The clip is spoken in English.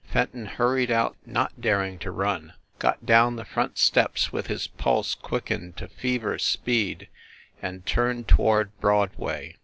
Fenton hur ried out, not daring to run, got down the front steps with his pulse quickened to fever speed, and turned toward Broadway.